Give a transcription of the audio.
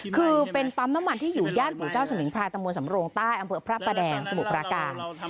คือเป็นปั๊มน้ำมันที่อยู่ย่านปู่เจ้าสมิงพรายตำบลสำโรงใต้อำเภอพระประแดงสมุทรปราการ